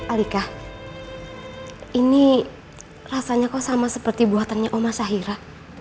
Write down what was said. alika ini rasanya kok sama seperti buatannya oma sahira